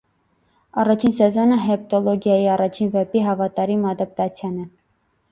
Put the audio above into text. Առաջին սեզոնը հեպտոլոգիայի առաջին վեպի հավատարիմ ադապտացիան է։